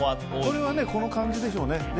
これはこの感じでしょうね。